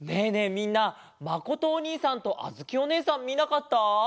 みんなまことおにいさんとあづきおねえさんみなかった？